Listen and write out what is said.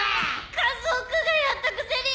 「カズオ君がやったくせに！」